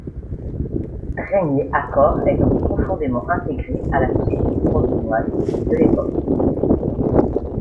Renier Acorre est donc profondément intégré à la société provinoise de l'époque.